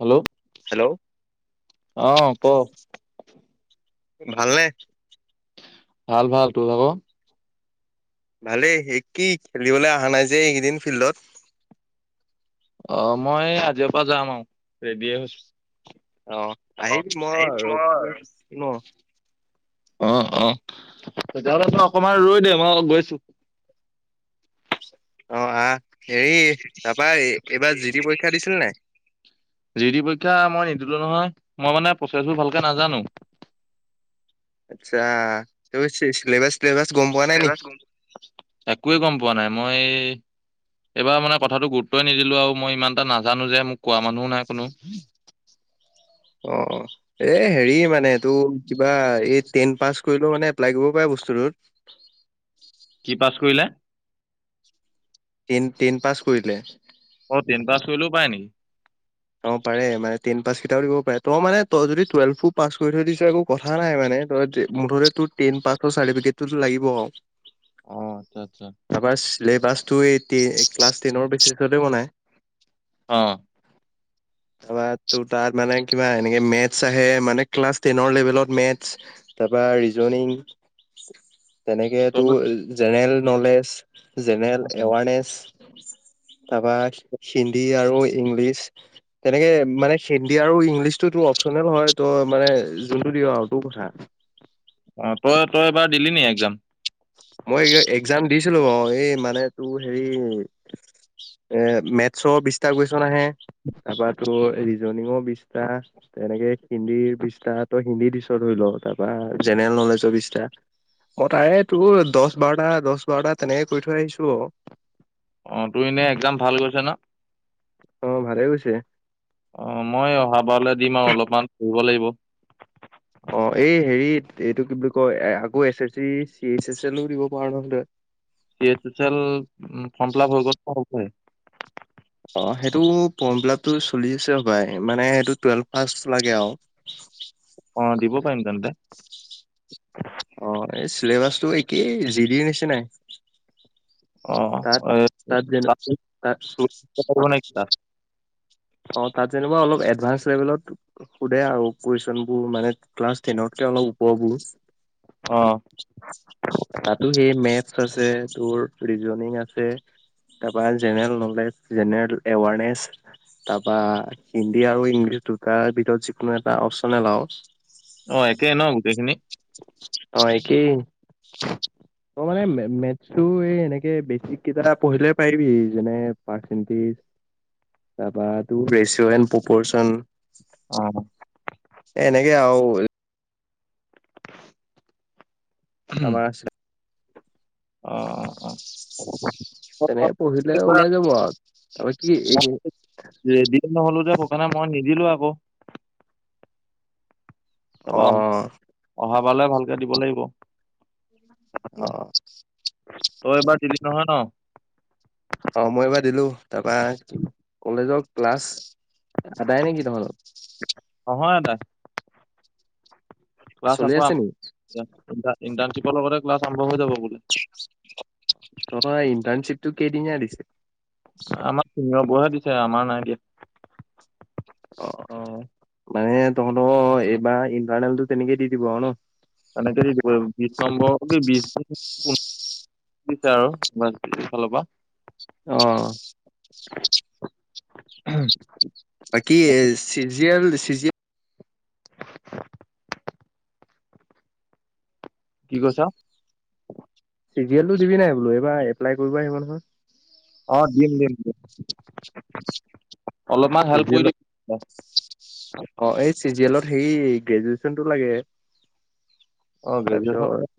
Hello. Hello. অ ক। ভালনে? ভাল ভাল তোৰ ভাগ। ভালেই এই কি খেলিবলৈ অহা নাই যে এইকেইদিন ফিল্ডত। অঁ মই আজিৰ পৰা যাম আও ৰেডীয়ে হৈছো। অ আহিম মই ৰবিয়ামচি ন। অ অ তেতিয়াহলে তই অকমান ৰৈ দে মই গৈছোঁ। অ আহ হেৰি তাৰপা এইবাৰ জি ডি পৰীক্ষা দিছিল নাই। জি ডিৰ পৰীক্ষা মই নিদিলো নহয় মই মানে প্ৰচেছবোৰ ভালকে নাজানো। আচ্ছা তই চিল চিলেক্ট। চিলেবাছখন একোৱে গম পোৱা নাই মই এইবাৰ মানে কথাটো গুৰুত্বই নিদিলোঁ আৰু মই ইমান এটা নাজানোঁ যে মোক কোৱা মানুহও নাই কোনো অ এ হেৰি মানে এটো কিবা এই টেইন পাছ কৰিলেও মানে এপ্লাই কৰিব পাৰে বস্তুটোত। কি পাছ কৰিলে? টেন টেইন পাছ কৰিলে। অ টেইন পাছ কৰিলেও পাৰে নেকী? অ পাৰে মানে টেইন পাছ কেইটাও দিব পাৰে তই মানে তই যদি টুৱেলভো পাছ কৰি থৈ দিছ একো কথা নাই মানে তই তে মুঠতে তোৰ টেইন পাছখন চাৰ্টিফিকেটটো তোৰ লাগিব অ আচ্ছা আচ্ছা। তাৰপৰা ছিলেবাছটো এই টেইন ক্লাছ টেইনৰ বেচিছতে বনায়। অ'। তাৰপৰা তোৰ তাত মানে কিবা এনেকে মেথছ আহে মানে ক্লাছ টেনৰ লেভেলত মেথছ তাৰপৰা ৰিজনিং তেনেকে তই তোৰ জেনেৰেল নলেজ, জেনেৰেল এৱাৰনেচ তাৰপৰা হিন্দী আৰু ইংলিছ। তেনেকে মানে হিন্দী আৰু ইংলিছটো তোৰ অপচনেল হয় তই মানে যোনটো দিঅ' আৰু তোৰ কথা। অ' তই তই এইবাৰ দিলি নি একজাম? মই একজাম দিছিলোঁ বাৰু এই মানে তোৰ হেৰি এ মেথছৰ বিশটা কুৱেশন আহে তাৰপৰা তোৰ ৰিজনিঙৰ বিশটা। তেনেকে হিন্দীৰ বিশটা। তই হিন্দী দিছ ধৰি ল তাৰপৰা জেনেৰেল নলেজৰ বিশটা মই তাৰে তোৰ দহ বাৰটা দহ বাৰটা তেনেকে কৰি থৈ আহিছোঁ আৰু। অ' তোৰ এনে একজাম ভাল গৈছে ন'? অ' ভালেই গৈছে। অ' মই অহাবাৰলৈ দিম আৰু অলপমান পঢ়িব লাগিব। অ' এই হেৰিত এইটো কি বুলি কয় আকৌ S S C, C H S এলওঁ দিব পাৰ নহয় তই। C H S L form fill up হৈ গ'ল বুলি কৈছে। অ' সেইটো ফৰ্ম ফিলাপটো চলি আছে সপাই মানে সেইটো টুৱেলভ পাছ লাগে আওঁ। অ' দিব পৰিম তেন্তে। অ' এই চিলেবাচটো একেই জি দিৰ নিচিনাই। অ তাত এ, তাত যেনিবা তাত ক নাইকা [unintelligible] অ' তাত যেনিবা অলপ এডভান্স লেভেলত সুধে আৰু কুৱেশ্বন বোৰ মানে ক্লাছ টেনতকে অলপ ওপৰবোৰ। অ'। তাতো সেই মেথছ আছে তোৰ ৰিজনিং আছে। তাৰপৰা জেনেৰেল নলেজ, জেনেৰেল এৱাৰনেছ তাৰপা হিন্দী আৰু ইংলিছ দুটাৰ ভিতৰত যিকোনো এটা অপশ্বনেল আওঁ। অ' একেই ন' গোটেইখিনি। অ' একেই। মই মানে মে মে তো এই এনেকে বেচিক কিতাপ পঢ়িলে পাৰিবি যেনে পাৰ্চেন্টিজ তাৰপৰা তোৰ ৰেচিঅ' এন পপ'ৰচন অ'। এ এনেকে আৰু আমাৰ আছে। অঁ' অঁ' অঁ'। তেনেকে পঢ়িলে ওলাই যাব আৰু তাৰপৰা কি এই ৰেডি নহ'লো যে সেই কাৰনে মই নিদিলো আকৌ। তাৰপৰা অ অহা বাৰলে ভালকে দিব লাগিব। অ তই এবাৰ দিলি নহয় ন'? অঁ' মই এইবাৰ দিলো। তাৰপা কলেজৰ ক্লাছ আদায় নেকি তহঁতৰ? নহয় আদায়। ক্লাছ চলি আকৌ আ আছে নি [unintelligible] ইণ্টাৰ্ণশ্বিপৰ লগতে ক্লাছ আৰম্ভ হৈ যাব বোলে। তহঁতৰ সেই ইণ্টানশিপটো কেইদিনিয়া দিছে‌? আমাক ছিনিঅ'ৰ বোৰৰহে দিছে আমাৰ নাই দিয়া। অঁ' অঁ' মানে তহঁতৰ এইবাৰ ইণ্টাৰনেলটো তেনেকেই দি দিব আৰু ন'। তেনেকেই দি [unintelligible] বিশ নম্বৰ কি বিশ [unintelligible] আৰু এইফালৰ পৰা। অঁ'। [unintelligible] বাকী C G L C G কি কৈছ? চি জি এলটো দিবি নাই বোলো এইবাৰ এপ্লাই কৰিব আহিব নহয়। অঁ' দিম দিম। অলপমান চি হেল্প জি কৰি এলত, দিম অঁ' এই চি জি এলত হেৰি গ্ৰেজুৱেচনটো লাগে। অঁ' তাৰপিছত গ্ৰেজুৱেচনটো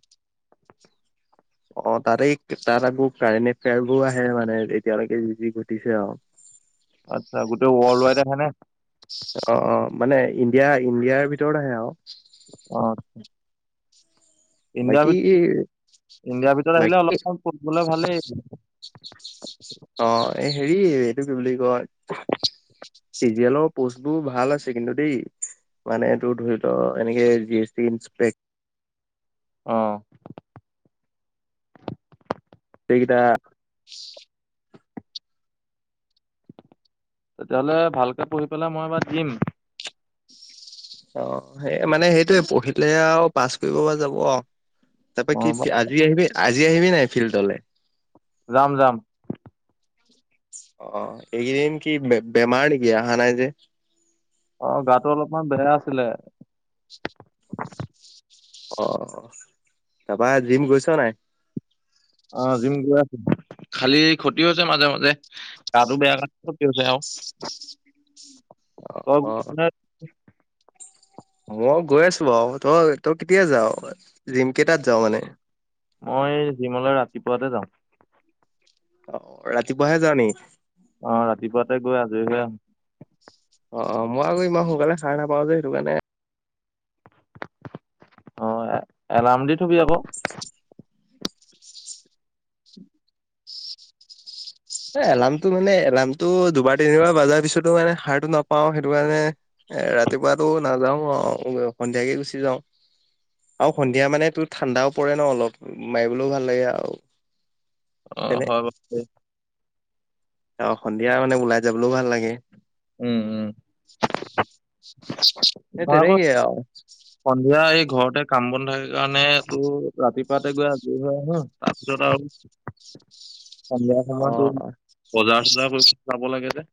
অঁ' তাতেই তাত আকৌ কাৰেণ্ট এফেয়াৰ বোৰ আহে মানে এতিয়ালৈকে যি যি ঘটিছে আৰু। [unintelligible] আচ্ছা' গোট ৱৰ্ল্ড ৱাইড আহে নে‌? অঁ' অঁ' মানে ইণ্ডিয়া ইণ্ডিয়াৰ ভিতৰত আহে আৰু। অঁ'। ইণ্ডিয়াৰ ভিত [unintelligible] বাকী ইণ্ডিয়াৰ ভিতৰত আহিলে বাকী অলপমান [unintelligible] ভালেই। অঁ' এই হেৰি এইটো কি বুলি কয় চিজিএলৰ কোৰ্চবোৰ ভাল আছে কিন্তু দেই। মানে এইটো ধৰি ল' এনেকে জি এছ টি ইনছপেক্ট। অঁ। এইকেইটা তেতিয়াহ'লে ভালকে পঢ়ি পেলাই মই এইবাৰ দিম। অঁ' সেই মানে সেইটোয়ে, পঢ়িলে আৰু পাছ কৰিব পৰা যাব আৰু। অ তাৰপৰা কি আজি আহিবি আজি আহিবি নাই ফিল্ডলৈ? যাম যাম। অঁ' এইকেইদিন কি বে-বেমাৰ নেকি আহা নাই যে? অঁ' গাটো অলপমান বেয়া আছিলে। [unintelligible] অঁ' তাৰপৰা এই জিম গৈছ নাই? অঁ' জিম গৈ আছোঁ। খালি ক্ষতি হৈছে মাজে মাজে। গাটো বেয়া কাৰণে ক্ষতি হৈছে আৰু। [unintelligible] অ অ [unintelligible] মই গৈ আছোঁ বাৰু। তই তই কেতিয়া যাওঁ, জিম কেইটাত যাওঁ মানে? মই জিমলৈ ৰাতিপুৱাতে যাম। অ', ৰাতিপুৱাহে যাওঁ নিকি? অ', ৰাতিপুৱাতে গৈ আজৰি হৈ আহো। অ', অ' মই আকৌ ইমান সোনকালে সাৰ নাপাওঁ যে সেইটো কাৰণে অ', এলাৰ্ম দি থবি আকৌ এ, এলাৰ্মটো মানে এলাৰ্মটো দুবাৰ তিনিবাৰ বাজাৰ পিছতো মানে সাৰটো নাপাওঁ। সেইটো কাৰণে এ, ৰাতিপুৱাটো নাযাওঁ আৰু সন্ধিয়াকে গুচি যাওঁ। আৰু সন্ধিয়া মানে তোৰ ঠাণ্ডাও পৰে ন, অলপ মাৰিবলৈও ভাল লাগে আৰু অ', তেনে হয় [inaudible] অ', সন্ধিয়া মানে ওলাই যাবলৈও ভাল লাগে। উম', উম। এই মই আকৌ তেনেকেই আৰু সন্ধিয়া এই ঘৰতে কাম বন থাকে কাৰণে টো ৰাতিপুৱাতে গৈ আজৰি হৈ আহো যত [inaudible] [inaudible] সন্ধিয়া অ সময়তটোৰ, বজাৰ-চজাৰ কৰিব যাব লাগে যে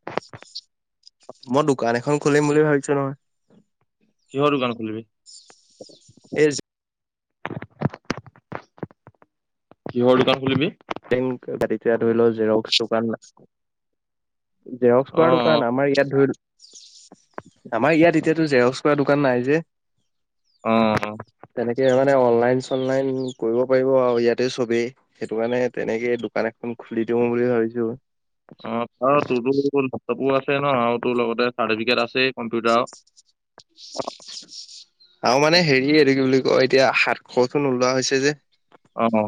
মই দোকান এখন খুলিম বুলি ভাবিছোঁ নহয়। কিহৰ দোকান খুলিবি? এই যে কিহৰ দোকান খুলিবি? দিম বাট এতিয়া ধৰি ল জেৰক্স দোকান নাছিল। জেৰক্স অ কৰাটো অ দোকান আমাৰ ইয়াত ধৰি, আমাৰ ইয়াত এতিয়াতো জেৰক্স কৰা দোকান নাই যে। অ তেনেকে মানে অনলাইন অনলাইন কৰিব পাৰিব আৰু ইয়াতে চবেই, সেইটো কাৰণে তেনেকে দোকান এখন খুলি দিওঁ বুলি ভাবিছো। অ' তোৰো লেপটপো আছে ন তোৰ লগতে চাৰ্টিফিকেট আছে। [unintelligible] আৰু মানে হেৰি এইটো কি বুলি কয় এতিয়া হাত খৰচু নোলোৱা হৈছে যে। অ' অ'।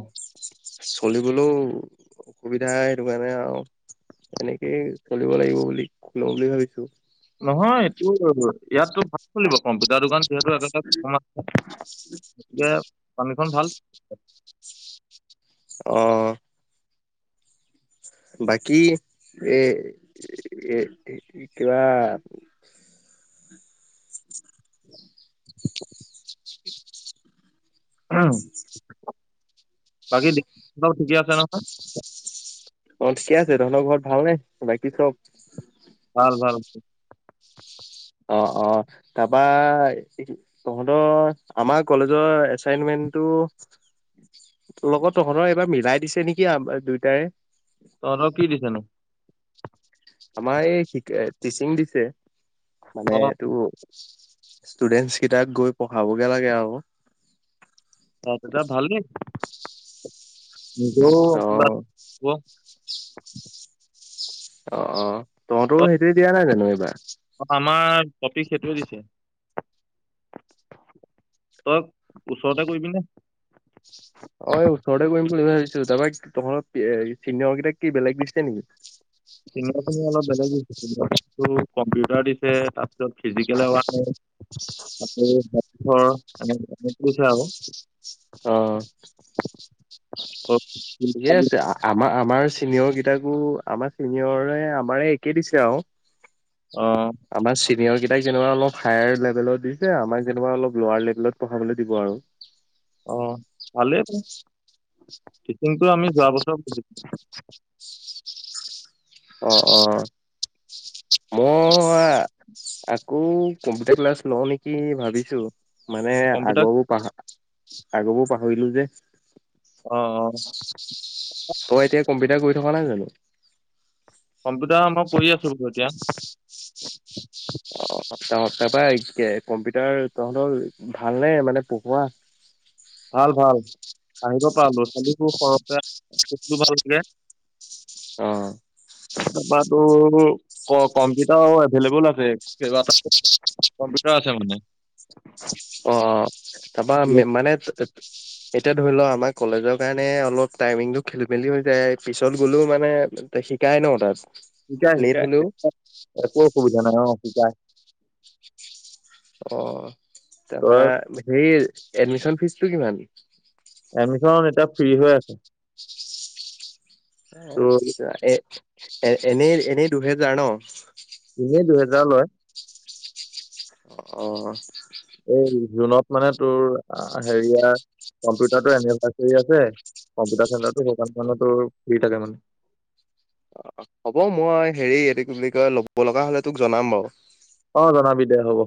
চলিবলৈও অসুবিধা সেইটো কাৰণে আৰু এনেকেই চলিব লাগিব বুলি লওঁ বুলি ভাবিছো। নহয় তোৰ, ইয়াতটো ভাল চলিব কম্পিউটাৰ দোকান যিহেতুে [unintelligible] গতিকে পামীখন ভাল অ'। বাকী এ এ, কিবা [unintelligible] [unintelligible] বাকী ঠিকে আছে নহয়? অ' ঠিকে আছে, তহঁতৰ ঘৰত ভাল নে, বাকী চব? ভাল ভাল। অ' অ' তাৰপা তহঁতৰ, আমাৰ কলেজৰ এচাইনমেন্টটো লগত তহঁতৰ এইবাৰ মিলাই দিছে নেকি আ দুয়টাৰে? তহতৰ কি দিছে নো? আমাৰ এই শিকে টিচিং দিছে, মানে অ এইটো- ষ্টুডেন্টচ গিটাক গৈ পঢ়াবগে লাগে আও। অঁ' দাদা ভালনে, নিজেও অ ক'ব - অঁ' অঁ' তহঁতৰো সেইটোৱে দিয়া নাই জানো এইবাৰ? অঁ' আমাৰ টপিক সেইটোৱে দিছে। তই ওচৰতে কৰিবি নে? অঁ' এই ওচৰতে কৰিম বুলি ভাবিছো, তাপা তহঁতৰ চিনিয়ৰ গিটাক কি বেলেগ দিছে নেকি? চিনিঞৰ খিনিক অলপ বেলেগ দিছে, কম্পিউটাৰ দিছে, তাৰপিছত ফিজিকেল এৱাৰ্নেজ। আৰু [unintelligible] নোপোচাই আৰু। অঁ' অ' ঠিকে আছে। আ- আমাৰ আমাৰ চিনিয়ৰ গিটাকো আমাৰ চিনিয়ৰে আমাৰে একে দিছে আৰু। অঁ' আমাৰ চিনিয়ৰ গেটাক যেনিবা অলপ হায়াৰ লেভেলত দিছে, আমাক যেনিবা অলপ লৌৱাৰ লেভেলত পঢ়াবলে দিব আৰু। অঁ' ভালেই দে, তিছিংটো আমি যোৱা বছৰ কৰিছিলোঁ। অ' অ' মই- আকৌ কম্পিউটাৰ ক্লাছ লওঁ নেকি ভাবিছো। মানে কম্পিউটাৰ আগবোৰ পাহ আগবোৰ পাহৰিলো যে। অঁ' অঁ'। তয় এতিয়া কম্পিউটাৰ কৰি থকা নাই জানো? কম্পিউটাৰ মই কৰি আছোক এতিয়া। অঁ' তাপা কম্পিউটাৰ তহঁতৰ ভালনে মানে পঢ়োৱা? ভাল ভাল। আহিব পাৰ ল'ৰা- ছোৱালীবোৰ সৰহকে [unintelligible] অঁ' তাপা তোৰ- ক কম্পিউটাৰো এভেইল এবোল আছে কেইবাটাও কম্পিউটাৰ আছে মানে। অঁ' তাপা মে মানে- এতিয়া ধৰি লওঁ আমাৰ কলেজৰ কাৰণে অলপ টাইমিংটো খেলি মেলি হৈ যায়, পিছত গ'লেও মানে- তে শিকাই ন তাত। এতিয়া লেট শিকাই হলেও শিকাই একো অসুবিধা নাই অঁ' শিকাই। অঁ' তাপা তই সেই এডমিচন ফিজ টো কিমান? এডমিচন এতিয়া ফ্ৰী হৈ আছে। অঁ' তোৰ আৎচ্ছা এ এ এনেই এনেই দুহেজাৰ ন'। এনেই দুহেজাৰ লয়। অঁ' এই জুনত মানে তোৰ আ হেৰিয়াৰ- কম্পিউটাৰ এনেকুৱা কৰি আছে কম্পিউটাৰ চেণ্টাৰটো [unintelligible] ফ্ৰী থাকে মানে। অঁ' অঁ' হ'ব মই হেৰি এইটো কি বুলি কয় ল'ব লগা হলে তোক জনাম বাৰু। অঁ' জনাবি দে হ'ব।